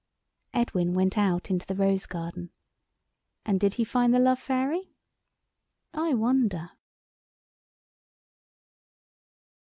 Edwin went out into the rose garden. And did he find the Love Fairy? I wonder!